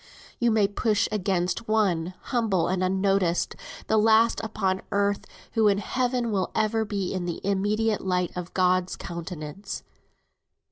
You may push against one, humble and unnoticed, the last upon earth, who in Heaven will for ever be in the immediate light of God's countenance.